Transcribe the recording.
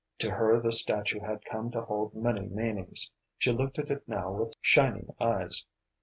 To her the statue had come to hold many meanings; she looked at it now with shining eyes.